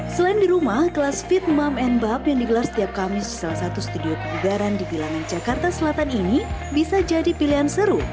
selain di rumah kelas fit mom and bab yang digelar setiap kamis di salah satu studio kebugaran di bilangan jakarta selatan ini bisa jadi pilihan seru